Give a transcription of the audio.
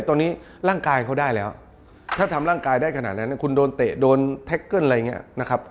ตอนนี้ร่างกายเขาได้แล้วถ้าทำร่างกายได้ขนาดนั้นคุณโดนเตะโดนแท็กเกิ้ลอะไรอย่างนี้นะครับ